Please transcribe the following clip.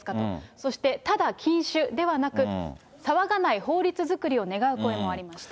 そして、ただ禁酒ではなく、騒がない法律作りを願う声もありました。